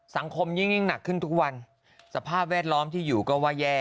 ยิ่งหนักขึ้นทุกวันสภาพแวดล้อมที่อยู่ก็ว่าแย่